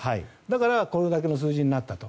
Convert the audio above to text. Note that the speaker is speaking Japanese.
だからこれだけの数字になった。